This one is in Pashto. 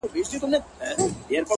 • په یوه او بل نامه یې وو بللی,